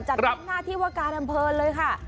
จัดทั้งหน้าที่วักกาลัมเพิร์นเลยค่ะ